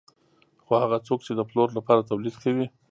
خو هغه څوک چې د پلور لپاره تولید کوي